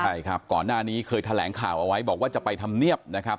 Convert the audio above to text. ใช่ครับก่อนหน้านี้เคยแถลงข่าวเอาไว้บอกว่าจะไปทำเนียบนะครับ